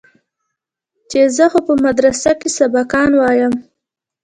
چې زه خو په مدرسه کښې سبقان وايم.